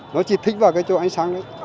nó chỉ thích vào cái chỗ ánh sáng đấy